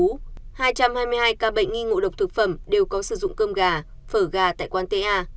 theo báo cáo của sở y tế khánh hòa trong hai trăm hai mươi hai ca nghi ngộ độc thực phẩm đều có sử dụng cơm gà phở gà tại quán ta